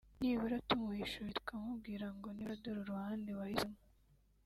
nibura tumuhishuriye tukamubwira ngo nibura dore uruhande wahisemo